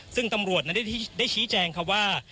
ซึ่งตำรวจนั้นได้ชี้แจงครับว่า